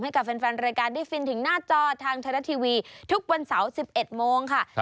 ให้กับแฟนรายการได้ฟินถึงหน้าจอทางไทยรัฐทีวีทุกวันเสาร์๑๑โมงค่ะ